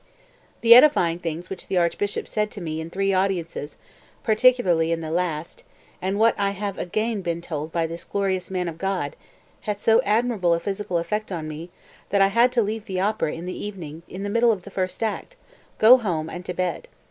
216. "The edifying things which the Archbishop said to me in the three audiences, particularly in the last, and what I have again been told by this glorious man of God, had so admirable a physical effect on me that I had to leave the opera in the evening in the middle of the first act, go home, and to bed.